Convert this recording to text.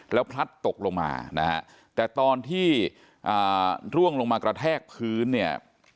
แล้วพลัดตกลงมานะฮะแต่ตอนที่ร่วงลงมากระแทกพื้นเนี่ย